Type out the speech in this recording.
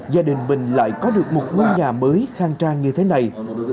gia đình mình lại có được một ngôi nhà mới khang trang như thế này